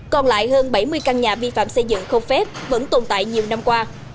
còn lại hơn bảy mươi căn nhà vi phạm xây dựng không phép vẫn tồn tại nhiều năm qua